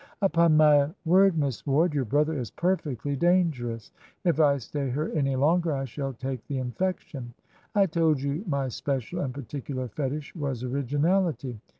"Upon my word, Miss Ward, your brother is perfectly dangerous. If I stay here any longer I shall take the infection. I told you my special and particular fetish was originality.